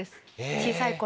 小さい頃。